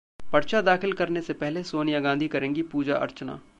पर्चा दाखिल करने से पहले सोनिया गांधी करेंगी पूजा अर्चना